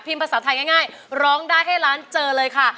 ภาษาไทยง่ายร้องได้ให้ล้านเจอเลยค่ะ